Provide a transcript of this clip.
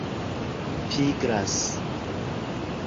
pigras